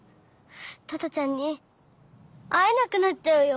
トトちゃんに会えなくなっちゃうよ！